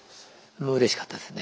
うれしかったですね。